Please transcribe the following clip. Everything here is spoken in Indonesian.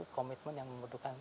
komitmen yang membutuhkan